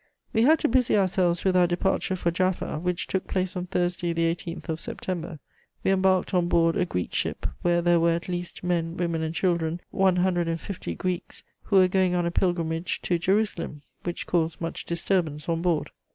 "We had to busy ourselves with our departure for Jaffa, which took place on Thursday the 18th of September. We embarked on board a Greek ship, where there were at least, men, women, and children, one hundred and fifty Greeks who were going on a pilgrimage to Jerusalem, which caused much disturbance on board.